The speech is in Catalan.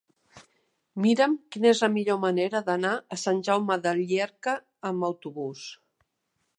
Mira'm quina és la millor manera d'anar a Sant Jaume de Llierca amb autobús.